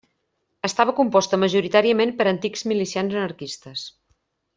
Estava composta majoritàriament per antics milicians anarquistes.